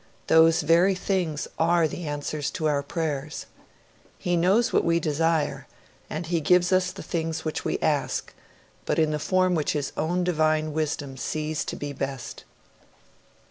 Those very things are the answers to our prayers. He knows what we desire, and He gives us the things for which we ask; but in the form which His own Divine Wisdom sees to be best.'